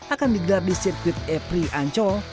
akan digelar di sirkuit epri ancol